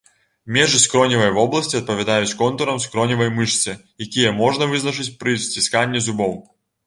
Межы скроневай вобласці адпавядаюць контурам скроневай мышцы, якія можна вызначыць пры сцісканні зубоў.